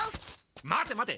待て待て！